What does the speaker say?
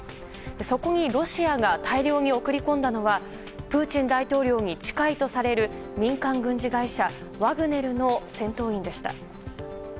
そこにロシアが大量に送り込んだのはプーチン大統領に近いとされる民間軍事会社ワグネルの戦闘員でした。